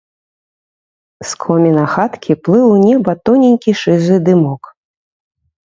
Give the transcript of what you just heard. З коміна хаткі плыў у неба тоненькі шызы дымок.